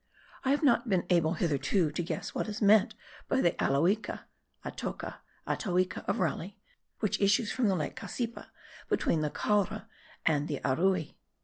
I have not been able hitherto to guess what is meant by the Aloica (Atoca, Atoica of Raleigh), which issues from the lake Cassipa, between the Caura and the Arui.))